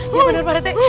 iya benar parete